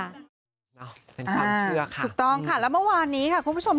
เป็นความเชื่อค่ะถูกต้องค่ะแล้วเมื่อวานนี้ค่ะคุณผู้ชม